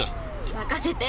任せて。